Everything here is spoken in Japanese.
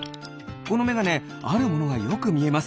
このメガネあるものがよくみえます。